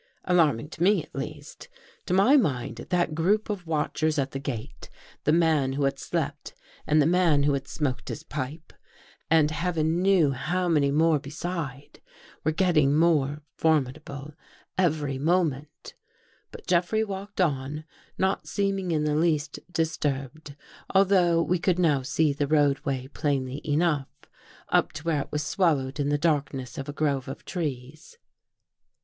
Alarming to me, at least. To my mind I that group of watchers at the gate — the man who 1 had slept and the man who had smoked his pipe, I 232 ,; THE THIRD CONFESSION ^ and heaven knew how many more beside, were get ting more formidable every moment. But Jeffrey walked on, not seeming in the least disturbed, although we could now see the roadway plainly enough, up to where it was swallowed in the darkness of a grove of trees.